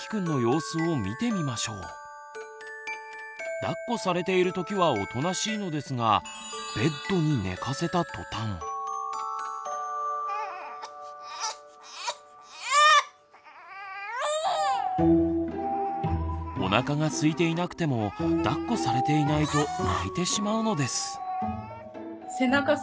だっこされているときはおとなしいのですがおなかがすいていなくてもだっこされていないと泣いてしまうのです。